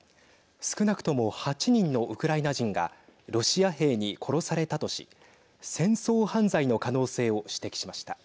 少なくとも８人のウクライナ人がロシア兵に殺されたとし戦争犯罪の可能性を指摘しました。